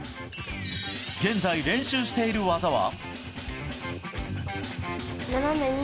現在、練習している技は。